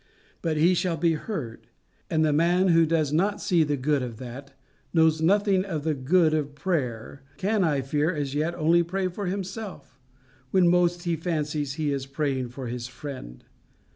But he shall be heard. And the man who does not see the good of that, knows nothing of the good of prayer; can, I fear, as yet, only pray for himself, when most he fancies he is praying for his friend.